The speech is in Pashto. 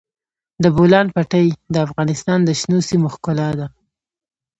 د بولان پټي د افغانستان د شنو سیمو ښکلا ده.